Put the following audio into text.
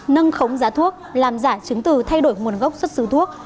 nâng khống giá thuốc làm giả chứng từ thay đổi nguồn gốc xuất xứ thuốc